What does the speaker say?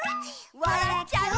「わらっちゃう」